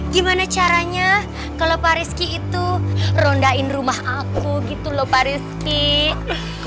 gimana caranya kalau pak rizky itu rondain rumah aku gitu loh pak rizky